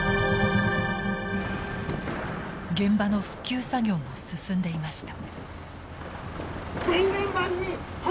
現場の復旧作業も進んでいました。